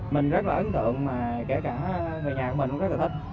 mình rất là ấn tượng mà kể cả người nhà của mình cũng rất là thích